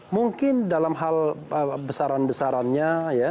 mungkin dalam hal besaran besarannya ya